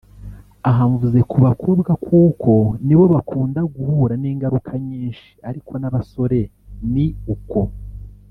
Aha mvuze ku bakobwa kuko nibo bakunda guhura n’ingaruka nyinshi ariko n’abasore ni uko